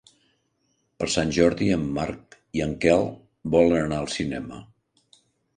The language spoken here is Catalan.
Per Sant Jordi en Marc i en Quel volen anar al cinema.